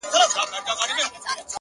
نظم د سترو پلانونو بنسټ جوړوي!.